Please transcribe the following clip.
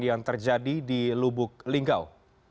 yang terjadi di lubuk linggau